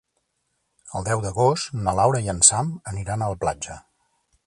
El deu d'agost na Laura i en Sam aniran a la platja.